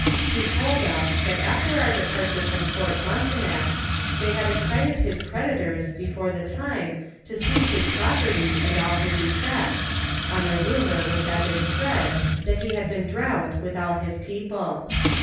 He told us, that after our departure from Fort Frontenac, they had excited bis creditors before the time to seize his property and all his effects, on a rumor which had been spread, that he had been drowned with all his people.